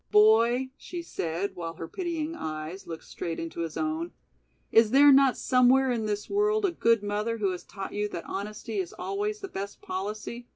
"Boy," she said, while her pitying eyes looked straight into his own, "is there not somewhere in this world a good mother who has taught you that honesty is always the best policy?"